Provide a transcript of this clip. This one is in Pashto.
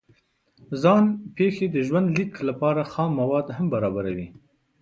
ځان پېښې د ژوند لیک لپاره خام مواد هم برابروي.